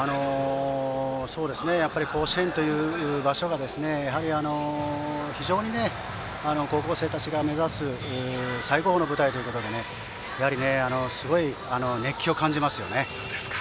甲子園という場所はやはり非常に高校生たちが目指す最高峰の舞台ということでやはり、すごい熱気を感じますね。